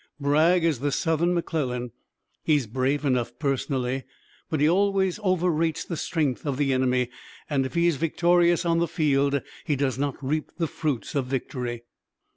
Bragg is the Southern McClellan. He is brave enough personally, but he always overrates the strength of the enemy, and, if he is victorious on the field, he does not reap the fruits of victory."